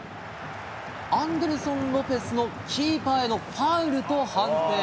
アンデルソン・ロペスのキーパーへのファウルと判定。